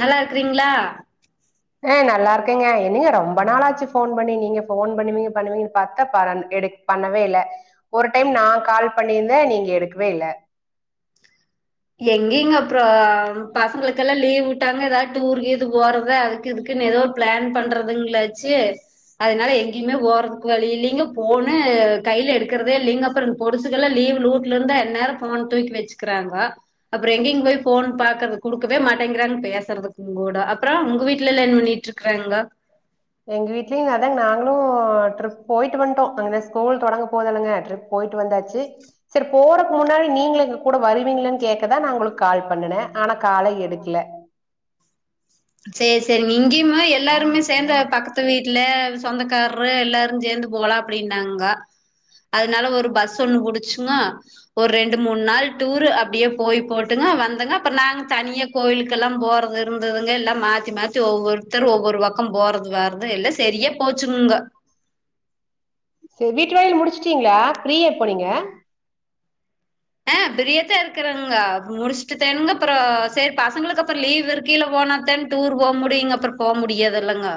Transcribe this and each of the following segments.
நல்லா இருக்றீங்களா? ஆ நல்லா இருக்கங்க என்னங்க ரொம்ப நாாளாச்சு போன் பண்ணி நீங்க போன் பண்ணுவீங்க பண்ணுவீங்கன்னு பாத்த ப எடு பண்ணவே இல்ல ஒரு டைம் நா கால் பண்ணியிருந்தே நீங்க எடுக்கவே இல்ல எங்கேங்க அப்புறோ பசங்களுக்கெல்லா லீவ் விட்டாங்க ஏதாவது டூருக்கு இது போறத அதுக்கு இதுக்குன்னு ஏதோ பிளான் பண்றதுங்களாச்சு அதனால எங்கேயுமே போறதுக்கு வழி இல்லலைங்க போன்னு கையில எடுக்கறதே இல்லைங்க அப்புறோ இந்த பொதுசுக்கெல்லாம் லீவ்லூட்ல இருந்துநேரம் போன் தூக்கி வச்சுக்கிறாங்க அப்புறோ எங்கேங்க போய் போன் பாக்குறது குடுக்கவே மாட்டேங்கிறாங்க பேசுறதுக்கும் கூட அப்புறோ உங்க வீட்டுலல்ல என்ன பண்ணிட்டு இருக்கறாங்க நாங்களு ட்ரிப் போயிட்டு வந்துட்டோ அங்க ஸ்கூல் தொடங்க போதல்லுங்க ட்ரிப் போயிட்டு வந்தாச்சு சரி போறக்கு முன்னாடி நீங்க எங்க கூட வருவீங்களன்னு கேக்கதா நான் உங்களுக்கு கால் பண்ணனேன் ஆனா காலே எடுக்கல சரி சரி இங்கயு எல்லாருமே சேர்ந்த பக்கத்து வீட்டு வீட்ல சொந்தக்காரரு எல்லாரு சேந்து போகலா அப்படின்னாங்க அதனால ஒரு பஸ் ஒண்ணு புடிச்சுங்க ஒரு ரெண்டு மூணு நாள் டூரு அப்படியே போய் போட்டுங்க வந்தங்க நாங்க தனியா கோயிலுக்கெல்லா போறது இருந்தது எல்லா மாத்தி மாத்தி ஒவ்வொருத்தரு ஒவ்வொரு பக்கம் போறது வர்றது எல்லாம் சரியா போச்சுங்க ச வீட்டு வேலையில்லா முடிச்சிட்டீங்களா பிரீயா இப்போ நீங்க ஆ பிரியத்தா இருக்கறங்க முடிச்சுட்டுதேனுங்க அப்புறோ செரி பசங்களுக்கு அப்புறோ லீவ் இருக்கையில போனாத்தான்னுங்க டூர் போக முடியுங்க அப்புறோ போக முடியாதுல்லங்க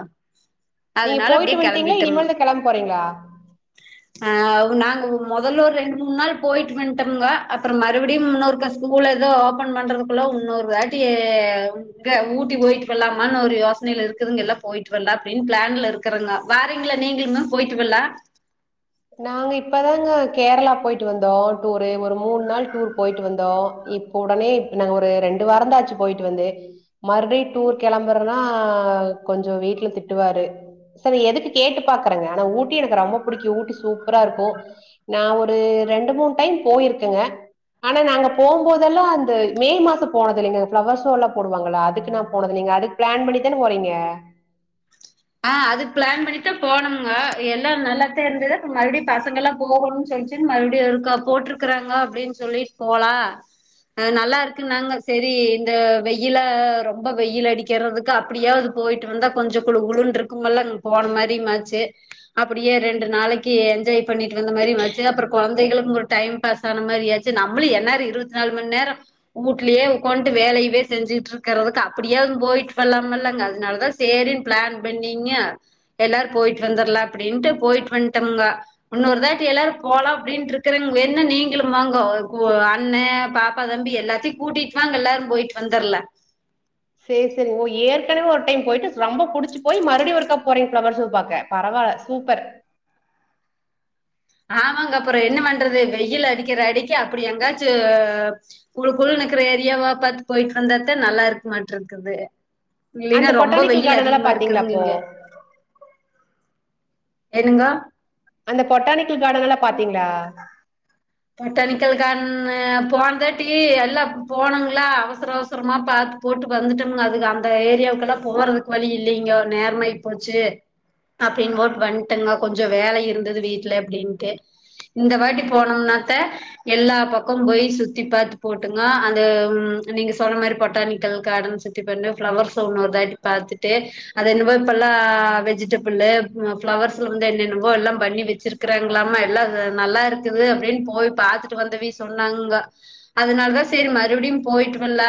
நீங்க அதனால போயிட்டு அப்டியே வந்துட்டீங்களா இனி கெளம்பிட்டோம்ங்க மேல்லா கிளம்ப போறீங்களா ஆ நாங்க முதல்ல ஒரு ரெண்டு மூணு நாள் போயிட்டு வண்டோம்ங்க அப்புறோ மறுபடியும் இன்னொருக்க ஸ்கூல ஏதோ ஓபன் பண்றதுக்குள்ள இன்னொரு வேட்டிங்க ஊட்டி போயிட்டு வரலாமான்னு ஒரு யோசனையில இருக்குதுங்க எல்லாம் போயிட்டு வரலாம் அப்படின்னு பிளான்ல இருக்கறங்க வாரீங்கள நீங்களுமே போயிட்டு வரலா நாங்க இப்பதாங்க கேரளா போயிட்டு வந்தோ டூரு ஒரு மூணு நாள் டூர் போயிட்டு வந்தோ இப்ப உடனே நாங்க ஒரு ரெண்டு வாரந்தாச்சு போயிட்டு வந்து மறுபடி டூர் கிளம்பேர்னா கொஞ்சு வீட்டுல திட்டுவாரு செரி எதுக்கு கேட்டு பாக்குறேங்க ஆனா ஊட்டி எனக்கு ரொம்ப பிடிக்கும் ஊட்டி சூப்பரா இருக்கு நா ஒரு ரெண்டு மூணு டைம் போயிருக்கேங்க ஆனா நாங்க போம் போதெல்லா அந்த மே மாசோ போனது இல்லைங்க ஃப்ளவர் ஷோ எல்லா போடுவாங்கள அதுக்கு நான் போனது இல்லைங்க அதுக்கு பிளான் பண்ணிதானே போறீங்க ஆ அதுக்கு பிளான் பண்ணிட்டுதா போனோம்முங்க எல்லா நல்லாத்தே இருந்ததப்ப மறுபடியும் பசங்க எல்லா போகணும்னு சொல்லிச்சு மறுபடியும் இருக்கா போட்டிருக்கறாங்க அப்படின்னு சொல்லிட்டு போலா ஆ நல்லா இருக்குன்னாங்க செரி இந்த வெயில ரொம்ப வெயில் அடிக்கறதுக்கு அப்படியாவது போயிட்டு வந்தா கொஞ்சு குளு குளு இருக்கும்ல்ல அங்க போன மாதிரியு ஆச்சு அப்படியே ரெண்டு நாளைக்கு என்ஜாய் பண்ணிட்டு வந்த மாரிச்சு அப்புறம் கெந்த டை பாஸ்ன மாரி ஆச்சு நம்மளு இருபத்தி நாலு மணி நேரம் வீட்லயே உக்காண்டு வேலயே செஞ்சுட்டு இருக்கிறதுக்கு அப்டியாது போயிட்டு வர்லாமல்லங்க அதனால தா சேரின்னு பிளான் பண்ணீங்க எல்லாரு போயிட்டு வந்துரல அப்டின்ட்டு போயிட்டு வந்துட்டோம்ங்க இன்னொரு தாட்டி எல்லாரு போலா அப்டின்ட்டு இருக்கறங்க வேணும் நீங்களும் வாங்க அண்ணன் பாப்பா தம்பி எல்லாத்தையும் கூட்டிட்டு வாாங்க எல்லாரும் போயிட்டு வந்துரல சேரி சேரி ஓ ஏற்கனவே ஒரு டைம் போயிட்டு ரொம்ப புடிச்சு போய் மறுபடியு ஒருக்கா போறீங்க பரவால ஃபிளவர்ஸே பாக்க பரவாயில்ல சூப்பர் ஆமாங்க அப்புறம் என்ன பண்றது வெயில் அடிக்கிற அடிக்க அப்டி எங்காச்சும் குழுக்குழு இருக்கிற ஏரியாவா பாத்து போயிட்டு வந்தாத்த நல்லா இருக்க மாட்ட இருக்குது இல்லின்னா அந்த ரொம்ப பொட்டானிக்கல் வெயில் கார்டன் எல்லா அதிகமா பாத்தீங்களா இருக்குதுங்க அப்போ இங்க என்னங்க அந்த பொட்டானிக்கல் கார்டன் எல்லா பாத்தீங்களா பெட்டானிக்கல் கார்டன் போனதாட்டி எல்லா போனோங்களா அவசர அவசரமா பாத்து போட்டு வந்துட்டோம்ங்க அதுக்கு அந்த ஏரியாவுக்கெல்லா போறதுக்கு வழி இல்லிங்கோ நேரம ஆயி போச்சு அப்டின்னு போட்டு வந்ட்டோங்க கொஞ்சோ வேல இருந்தது வீட்ல அப்டின்ட்டு இந்த வாட்டி போனோம்னா எல்லா பக்கமு போய் சுத்தி பாத்து போட்டுங்க அந்த நீங்க சொன்ன மாரி பொட்டானிக்கல் கார்டன் சுத்தி பண்ண பிளவர்ஸ் ஒண்ணு ஒருதட்டு பாத்துட்டு அது என்னவோ இப்பெல்லாம் வெஜிடபிள் பிளவர்ஸ்ல வந்து என்னென்னவோ எல்லா பண்ணி வெச்சிருக்காங்களாமா எல்லா நல்லா இருக்குது அப்டின்னு போய் பாத்துட்டு வந்தவிக சொன்னாங்க அதனாலதா‌ சேரி மறுவடியு போயிட்டு வல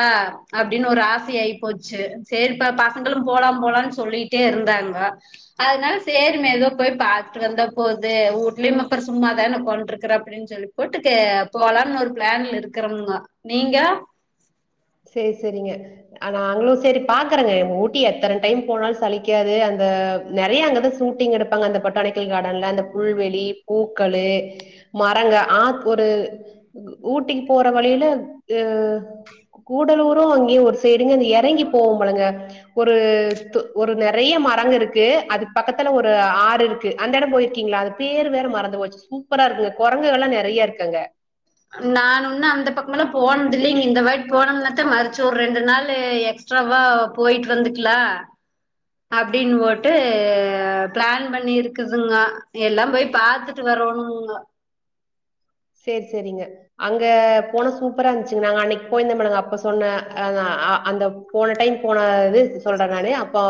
அப்டின்னு ஒரு ஆச ஆகிப்போச்சு சேரி இப்ப பசங்களும் போலாம் போலாம்னு சொல்லிட்டே இருந்தாங்க அதனால சேரி மெதுவா போய் பாத்துட்டு வந்த போகுது வீட்லயு அப்புறம் சும்மாத உக்கான்டு இருக்குறோனு அப்டின்னு சொல்லி போட்டுக்கு போலாம்னு ஒரு பிளான்ல இருக்கிறங்கோ நீங்க சேரி சேரிங்க ஆனா நாங்களு செரி பாக்குறேங்க எங்க ஊட்டி எத்தன டைம் போனாலு சலிக்காது அந்த நெறைய அங்கதா சூட்டிங் எடுப்பாங்க அந்த பொட்டானிக்கல் கார்டன்ல அந்த புல்வெளி பூக்கள் மரங்க ஆத் ஒரு ஊட்டிக்கு போற வழில அஹ கூடலூரு அங்கேயு ஒரு சைடு ங்க இறங்கி போவம்ழ்லங்க ஒரு ஒரு நெறைய மரங்கு இருக்கு அது பக்கத்துல ஒரு ஆறு இருக்கு அந்த எடம் போயிருக்கீங்களா அது பேரு வேரு மறந்து போச்சு சூப்பரா இருக்குங்க கெரங்குகள்ல்லா நெறைய இருக்கு அங்க நானு இன்னு அந்த பக்கம் போணதில்லிங் இல்லிங்க இந்த வாட்டி போணும்ல த்த மருச்சு ஒரு ரெண்டு நாளு எக்ஸ்ட்ராவா போயிட்டு வந்துக்குலா அப்டின்னு போட்டு பிளான் பண்ணிருக்குதுங்க எல்லா போய் பாத்துட்டு வரோணுங்க சேரி சேரிங்க அங்க போன சூப்பரா இருந்துச்சுங்க நாங்க அன்னைக்கு போயிருந்தோம் மிளங்க அப்ப சொன்ன அந்த போன டைம் போனது சொல்றே நானு அப்போ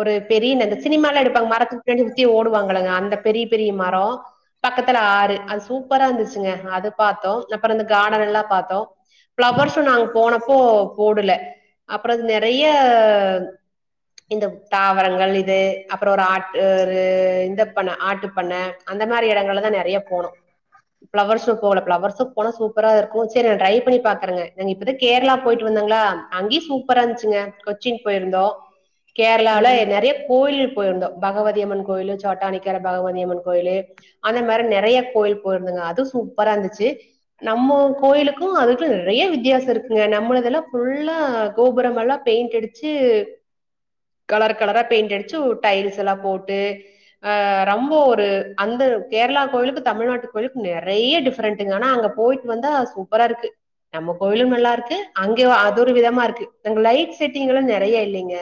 ஒரு பெரியந்த சினிம எல்லா எடுப்பாங்க மரத்த சுத்தி ஓடுவாங்கங்க அந்த பெரிய பெரிய மரம் பக்கத்துல ஆறு அது சூப்பரா இருந்துச்சு அது்த்தோம் அப்புறம் இந்த கார்டன் எல்லாம் பாார்த்தோம் பிளவர்ஸும் நாங்க போனப்போ போடல அப்புறம் அ நிறைய இந்த தாவரங்கள் இது அப்புறம் ஒரு ஆட்டு ஒரு இந்த பண்ண ஆட்டு பண்ணை அந்த மாதிரி இடங்கள்லதான் நிறைய போனோம் பஃிளவர்ஸும் போகல பஃிளவர்ஸும் போனா சூப்பரா இருக்கும் சரி நான் ட்ரை பண்ணி பாக்குறேங்க நாங்க இப்பதான் கேரளா போயிட்டு வந்தாங்களா அங்கய சூப்பரா இருந்துச்சுங்க கொச்சின் போயிருந்தோம் கேரளால சரி நெறைய கோயில் போயிருந்தோம் பகவதியம்மன் கோயில் சோட்டானிக்கர பகவதியம்மன் கோயிலு அந்த மாதரி நெறைய கோயில் போயிருந்தங்க அ சூப்பர இருந்துச்சு நம்ம கோயிலுக்கு அதுக்கு நெறைய வித்தியாசோ இருக்குங்க நம்முதெல்லா புஃல்லா கோபுரம் எல்லா பெயிண்ட் அடிச்ச கலர் கலரா பெயிண்ட் அடிச்சு டைல்ஸ் எல்லா போட்டு அஹ ரொம்ப ஒரு அந்த கேரளா கோயிலுக்கு தமிழ்நாட்டு கோயிலுக்கு நெறைய டிஃபரன்டுங்க ஆனா அங்க போயிட்டு வந்தா சூப்பரா இருக்கு நம்ம கோயிலு நல்லா இருக்கு அங்க அது ஒரு விதமா இருக்கு அங் லைட் செட்டிங் எல்லா நெறைய இல்லிங்க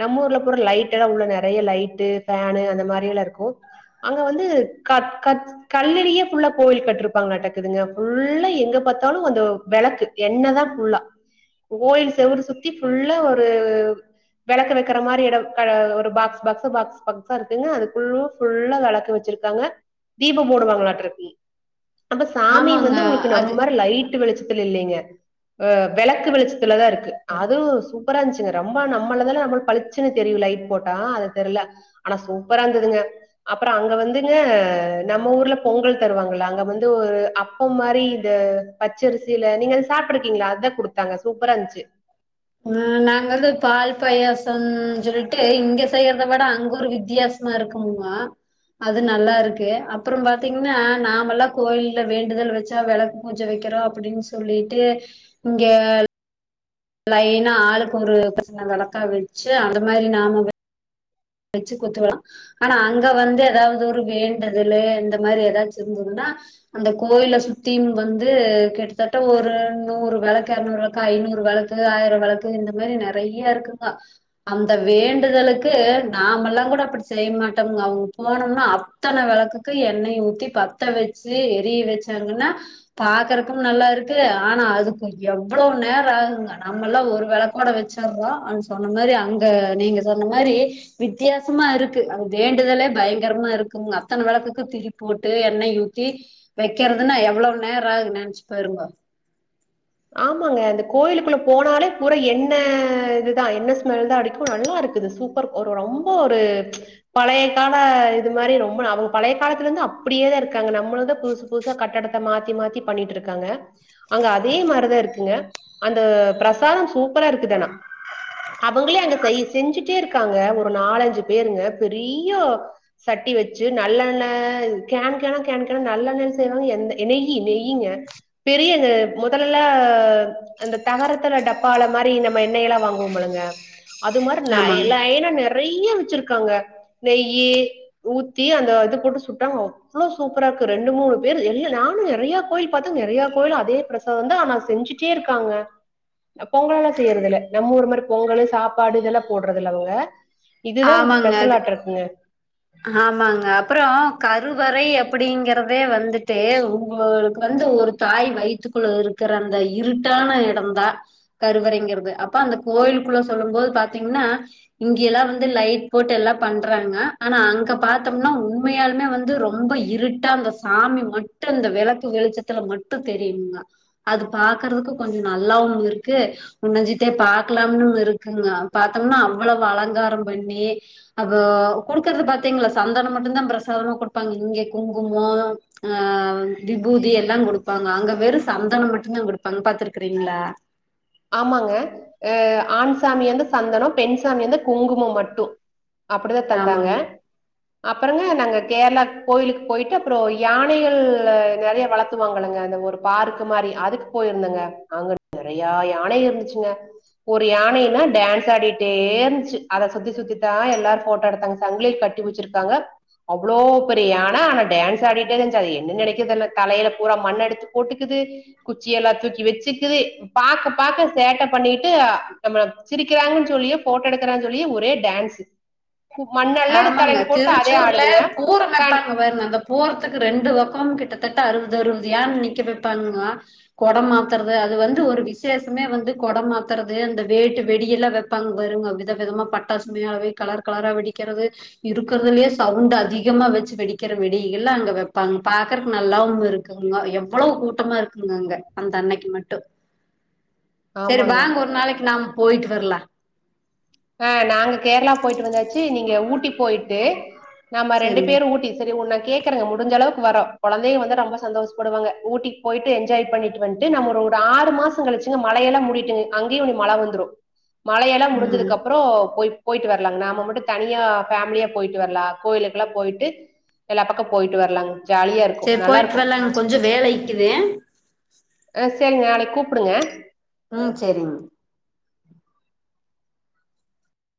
நம்ம ஊர்ல பூற லைட் எல்லா உள்ள நெறைய லைட்டு அந்த மாதிரி எல்லா இருக்கு அங்க வந்து கல்லரிய கோயில் கட்டிருப்பாங்களாடக்குதுங்க புல்லா எங்க பாத்தாலு அந்த வெளக்கு எண்ண தா புல்லா கோயில் செவறு சுத்தி புல்லா ஒரு வெளக்க வைக்கிற மாரி எடம் ஒரு பாக்ஸ் பாக்ஸா இருக்குங்க அதுக்குல்லா வெளக்க வெச்சிருக்காங்க தீபம் போடுவாங்களாட்டு இருக்கு அப்ப சாமிய ஆமாங்க வந்து உங்களுக்கு அது நம்மரி லைட் வெளிச்ச இல்லிங்க வெளக்கு வெளிச்ச ல தா இருக்கு அதுவு சூப்பர இருந்துச்சு ரொம்ப நம்மதில பளிச்சுன்னு தெரியு லைட் போட்டா தெரியல ஆனா சூப்ப இருந்தது அப்புறம் அங்க வந்துங்க நம்ம ஊர்ல பொங்கல் தருவாங்க அங்க வந்து ஒரு அப்ப மாரி இந்த பச்சரிசியில நீங்க சாப்பிட்டு இருக்கீங்களா அத்தா குடுத்தாங்க சூப்பரா இருந்துச்சு ஆஹ் நாங்க வந்து பால் பாயாசம்னு சொல்லிட்டு இங்க செய்யறத விட அங்க ஒரு வித்தியாசமா இருக்குமுங்கோ அது நல்லா இருக்கு அப்புறம் பாத்தீங்கன்னா நாமெல்லா கோயல வேண்டுதல் வெச்சா வெளக்கு பூஜ வைக்கிறோ அப்டின்னு சொல்லிட்டு இங்க லைனா ஆளுக்கு ஒரு சின்ன வெளக்கா வெச்சு அந்த மாரி நாம வெச்சு குத்து ஆனா அங்க வந்து எதாவ்து ஒரு வேண்டுதல இந்த மாரி எதாச்சும் இருந்ததுன்னா அந்த கோயில சுத்திம் வந்து கிட்டத்தட்ட ஒரு நூறு வெளக்கு இறநூறு வெளக்கு ஐநூறு வெளக்கு ஆயிரம் வெளக்கு இந்த மாரி நெறையா இருக்குங்க அந்த வேண்டுதலுக்கு நாமெல்லா கூட அப்படி செய்ய அவங்க போனோம்னா அத்தன வெளக்குக்கு எண்ணெய் ஊத்தி பத்த வெச்சு எரிய வெச்சாங்கன்னா பாக்குறக்கும் நல்லா இருக்கு ஆனா அதுக்கு எவ்ளோ நேரோ ஆகுங்க நம்ம எல்லா ஒரு வெளக்கோட வெச்சுறோம் சொன்ன மாரி அங்க நீங்க சொன்ன மாரி வித்தியாசமா இருக்கு அது வேண்டுதலே பயங்கரமா இருக்கு அத்தன வெளக்குக்கு திரி போட்டு எண்ணெய் ஊத்தி வைக்கறிறதுன்னா எவ்ளோ நேரோ ஆகு நெனச்சு பாருங்கோ ஆமாங்க அந்த கோயிலுக்குள்ள போனாலே பூரா எண்ணெய இதுதான் எண்ணெய ஸ்மெல் தான் அடிக்கும் நல்லா இருக்குது சூப்பர் ஒரு ரொம்ப ஒரு பழைய கால இது மாரி ரொம்ப அவங்க பழைய காலத்துல இருந்து அப்பிடியேதா இருக்காங்க நம்மள தான் புதுசு புதுசா கட்டடத்தை மாத்தி மாத்தி பண்ணிட்டு இருக்காங்க அங்க அதே மாரிதா இருக்குங்க அந்த பிரசாதம் சூப்பரா இருக்குதானா அவங்களே அங்க செஞ்சிட்டே இருக்காங்க ஒரு நாலஞ்சு பேருங்க பெரிய சட்டி வெச்சு நல்ல நல்ல கேன் கேனா நல்லெண்ண செய்வாங்க நெயி நெய்யுங்க பெரிய முதல்லல்ல இந்தந்த தகரத்துல டப்பால மாரி நம்ம எண்ணெய் எல்லா வாங்குவோம்ழுங்க அது மாரி ஆமாங்க லைனா நெறைய வெச்சிருக்காங்க நெய்யி ஊத்தி அந்த இது போட்டு சுட்டாங்க அவ்ளோ சூப்பரா இருக்கு ரெண்டு மூணு பேரு நானும் நெறைய கோயில் பாத்தங்க நெறைய கோயில் அதே சோ வந்து ஆனா செஞ்சுட்டே இருக்காங்க பொங்கல் எல்லா செய்யறது இல்ல நம்ம ஊரு மாரி பொங்கல் சாப்பாடு இதெல்லா போட்றதில்ல அவங்க இதுதா ஆமாங்க அது ஸ்பெஷலாட்ருக்குங்க ஆமாங்க அப்பறோ கருவறை அப்டிங்கறதே வந்துட்டு உங்களுக்கு வந்து ஒரு தாய் வயித்துக்குள்ள இருக்கிற அந்த இருட்டான எடம்ந்தா கருவறைங்கிறது அப்ப அந்த கோயிலுக்குள்ள சொல்லும் போது பாத்தீங்கன்னா இங்கெல்லா வந் து லைட் போட்டு எல்லா பண்றாங்க ஆனா அங்க பாத்தோம்னா உண்மையாலுமே வந்து ரொம்ப இருட்டா அந்த சாமி மட்டு அந்த வெளக்கு வெளிச்சத்துல மட்டு தெரியுமுங்க அது பாக்குறதுக்கு கொஞ்சோ நல்லாவு இருக்கு குணுஞ்சிட்டே பாக்காலான்னுயிருக்குங்க பாத்தோம்னா அவ்ளவு அலங்காரம் பண்ணி அப்ப குடுக்கறத பாத்தீங்களா சந்தனம் மட்டும்தா பிரசாதமா குடுப்பாங்க இங்க குங்குமோ ஆ விபூதி எல்லா குடுப்பாங்க, அங்க வெறும் சந்தனம் மட்டுந்தா குடுப்பாங்க பாத்துருக்றீங்ளா ஆமாங்க அ ஆண் சாமியா இருந்த சந்தனம் பெண் சாமியா இருந்த குங்குமம் மட்டு அப்டிதா தந்தாங்க ஆமாங்க அப்பறங்க நாங்க கேரளாக்கு கோயிலுக்கு போயிட்டு அப்றோ யானைகள் நெறைய வளத்துவாங்களங்க அந்த ஒரு பார்க் மாரி அதுக்கு போயிருந்தங்க அங்க நெறையா யானை இருந்துச்சுங்க ஒரு யானைனா டான்ஸ் ஆடிட்டே இருந்துச்சு அத சுத்தி சுத்தித்த எல்லாரு போட்டோ எடுத்தாங்க சங்கிலி கட்டி வச்சிருக்காங்க அவ்ளோ பெரிய யான ஆனா டான்ஸ் ஆடிட்டே இருந்துச்சு அது என்ன நெனைக்குது தெரில தலைல பூரா மண்ண எடுத்து போட்டுக்குது குச்சி எல்லா தூக்கி வச்சுக்குது பாக்க பாக்க சேட்டை பண்ணிட்டு நம்ம சிரிக்கிறாங்கன்னு சொல்லியே போட்டோ எடுக்கிறாங்க சொல்லியே ஒரே டான்ஸ் கு- மண்ணல்லடு ஆமாங்க தலையில் போட்டு அதே திருச்சூர்ல ஆடுதுங்க பூரண தன் வைப்பாங்க பாருங்க அந்த பூரத்துக்கு ரெண்டு பக்கமும் கிட்ட தட்ட அறுவது அறுவது யான நிக்க வைப்பாங்கங்க கொட மாத்துறது அது வந்து ஒரு விசேஷமே வந்து கொட மாத்துறது அந்த வேட்டு வெடியெல்லா வைப்பாங்க பாருங்க வித விதமா பட்டாசு உண்மையாவே கலர் கலரா வெடி வக்கிறது இருக்கிறதுலயே சவுண்ட் அதிகமா வச்சு வெடிக்கிற வெடி எல்லா அங்க வைப்பாங்க பாக்குறக்கு நல்லாவு இருக்குங்க எவ்வளவு கூட்டமா இருக்குங்க அங்க அந்த அன்னைக்கி மட்டு சேரி ஆமாங்க வாங்க ஒரு நாளைக்கு நாம் போயிட்டு வரலா அ நாங்க கேரளா போயிட்டு வந்தாச்சு, நீங்க ஊட்டி போயிட்டு நம்ம ரெண்டு சரிங்க பேரு ஊட்டி சேரி உன்ன கேக்குறங்க முடிஞ்ச அளவுக்கு வறோ கொழந்தைங்க வந்தா ரொம்ப சந்தோஷப்படுவாங்க ஊட்டிக்கு போயிட்டு என்ஜாய் பண்ணிட்டு வந்துத்துட நம்ம ஒரு ஒரு ஆறு மாசம் கழிச்சு மழையெல்லாம் முடியட்டும் அங்கேயும் மழை வந்துடும் மழையெல்லாம் ம் முடிஞ்சதுக்கு அப் போ போய் போயிட்டு வரலாங்க நாம மட்டும் தனியா ஃபேமிலியா போயிட்டு வரலாம் கோயிலுக்கெல்லாம் போயிட்டு எல்லா பக்கம் போயிட்டு வரலாங்க ஜாலியா இருக்கும் சரி நல்லா போயிட்டு இருக்கும் வரலாங்க கொஞ்சம் வேல இக்குது அ செரிங்க நாளைக்கு கூப்பிடுங்க ம் செரி மா